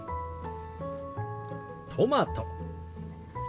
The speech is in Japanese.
トマト。